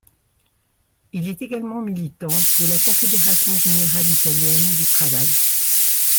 Il est également militant de la Confédération générale italienne du travail.